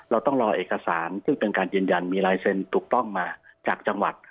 เราต้องรอเอกสารซึ่งเป็นการยืนยันมีลายเซ็นถูกต้องมาจากจังหวัด